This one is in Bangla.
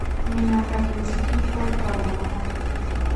তুমি না থাকলে যে কী করতাম অনাহারে থাকতাম!